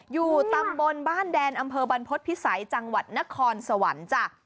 อยู่ตำบลบ้านแดนอำเภอบรรพฤษภิษัยจังหวัดนครสวรรค์จ้ะ